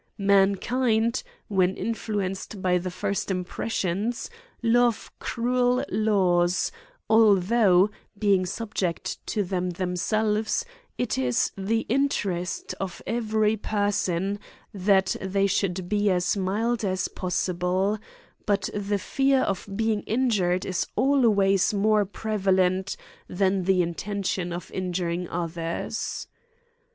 Mankmd, when influenced by the first impressions, love cruel laws, although, being subject to them themselves, it is the interest of every person that they should be as mild as possi ble ; but the fear of being injured is always more prevalent than the intention of injuring others.